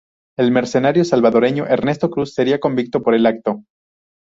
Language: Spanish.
El mercenario salvadoreño Ernesto Cruz seria convicto por el acto.